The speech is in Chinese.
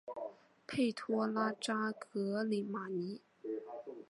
佩托拉扎格里马尼。